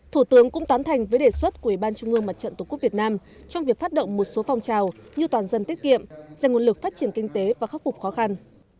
thủ tướng cho rằng cần đánh giá thẳng thắn sâu sắc hơn một số bất cập không khoan trắng cho bộ phận thi đua hình thức trong thi đua hình thức trong thi đua hình thức